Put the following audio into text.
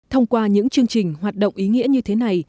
thông qua những chương trình hoạt động ý nghĩa như thế này